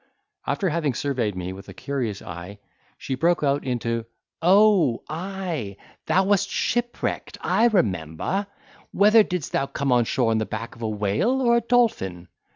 After having surveyed me with a curious eye, she broke out into, "O! ay, thou wast shipwrecked, I remember. Whether didst thou come on shore on the back of a whale or a dolphin?"